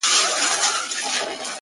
داسې زړه ماتی ستنیږم